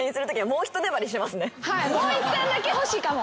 もう１ターンだけ欲しいかも。